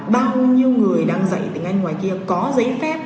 bao nhiêu người đang dạy tiếng anh ngoài kia có giấy phép